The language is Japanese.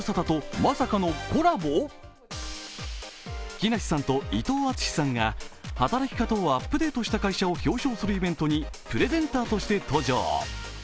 木梨さんを伊藤淳史さんが、働き方をアップデートした会社を表彰するイベントにプレゼンターとして登場。